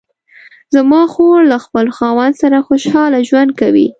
زما خور له خپل خاوند سره خوشحاله ژوند کوي